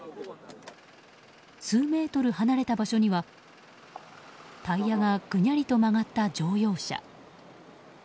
数メートル先離れた場所にはタイヤがぐにゃりと曲がった乗用車。